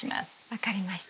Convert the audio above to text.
分かりました。